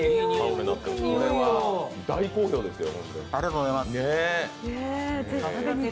これは大好評ですよ。